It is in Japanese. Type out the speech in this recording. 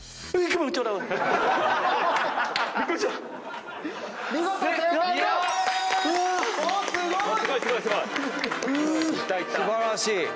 すごい！